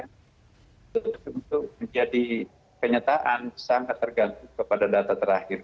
untuk menjadi kenyataan sangat tergantung kepada data terakhir